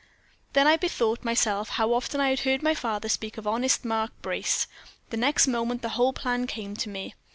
"Then I bethought myself how often I had heard my father speak of honest Mark Brace. The next moment the whole plan came to me.